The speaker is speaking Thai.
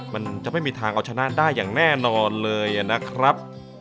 มันจะไม่มีทางเอาชนะได้อย่างแน่นอนเลยนะครับ